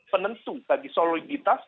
penentu bagi soliditas